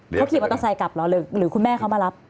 เขาขี่มอเตอร์ไซค์กลับเหรอหรือคุณแม่เขามารับ